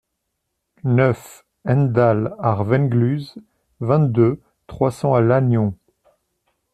neuf hent-Dall ar Vengleuz, vingt-deux, trois cents à Lannion